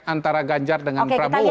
antara ganjar dengan prabowo